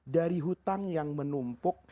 dari hutang yang menumpuk